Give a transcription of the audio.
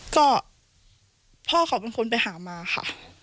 ก็พ่อเขาเป็นคนไปหามาค่ะ